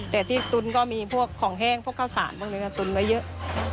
แต่ที่ตุ้นก็มีพวกของแห้งพวกข้าวสารบ้างเลยนะตุ้นมาเยอะ